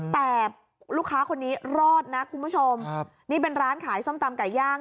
แต่ลูกค้าคนนี้รอดนะคุณผู้ชมครับนี่เป็นร้านขายส้มตำไก่ย่าง